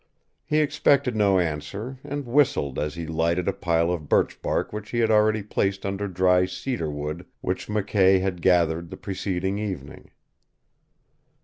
He expected no answer, and whistled as he lighted a pile of birchbark which he had already placed under dry cedar wood which McKay had gathered the preceding evening.